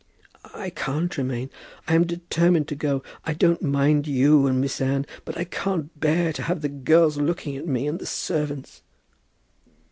"I can't remain. I am determined to go. I don't mind you and Miss Anne, but I can't bear to have the girls looking at me, and the servants."